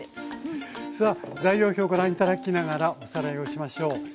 さあ材料表ご覧頂きながらおさらいをしましょう。